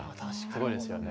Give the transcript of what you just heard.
すごいですよね。